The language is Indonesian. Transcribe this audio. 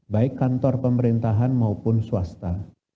baik kantor pemerintahan maupun swasta